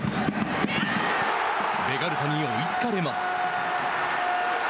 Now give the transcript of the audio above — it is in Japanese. ベガルタに追いつかれます。